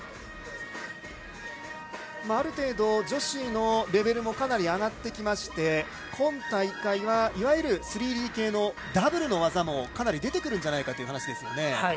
ある程度、女子のレベルもかなり上がってきまして今大会は、いわゆる３Ｄ系のダブルの技もかなり出てくるんじゃないかという話です。